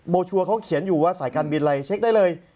ชัวร์เขาเขียนอยู่ว่าสายการบินอะไรเช็คได้เลย